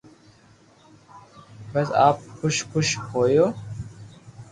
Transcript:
بسب آپ خوݾ ھوݾ ھونن